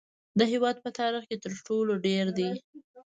د هیواد په تاریخ کې تر ټولو ډیر دي